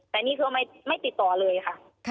แต่นี่คือไม่ติดต่อเลยค่ะ